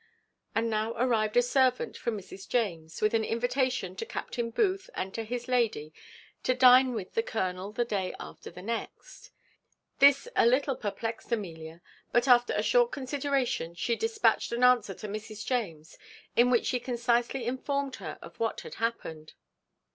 And now arrived a servant from Mrs. James, with an invitation to Captain Booth and to his lady to dine with the colonel the day after the next. This a little perplexed Amelia; but after a short consideration she despatched an answer to Mrs. James, in which she concisely informed her of what had happened.